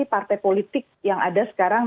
partai politik yang ada sekarang